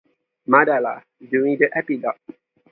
"Mandala" during the Epilogue.